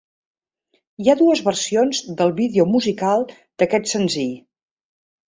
Hi ha dues versions del vídeo musical d'aquest senzill.